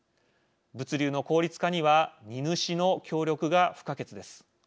物流の効率化には荷主の協力が不可欠です。